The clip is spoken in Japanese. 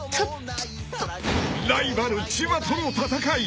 ［ライバル千葉との戦い］